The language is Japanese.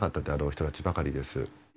人たちばかりです。